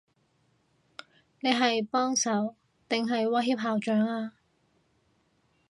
你係幫手，定係威脅校長啊？